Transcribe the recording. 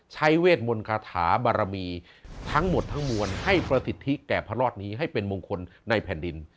เวทมนต์คาถาบารมีทั้งหมดทั้งมวลให้ประสิทธิแก่พระรอดนี้ให้เป็นมงคลในแผ่นดิน